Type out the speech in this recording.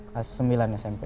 kelas sembilan smp